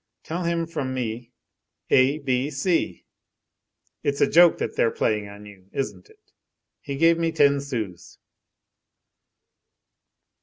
Tell him from me: "A B C".' It's a joke that they're playing on you, isn't it. He gave me ten sous."